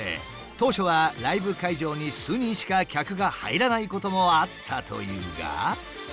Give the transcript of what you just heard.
当初はライブ会場に数人しか客が入らないこともあったというが。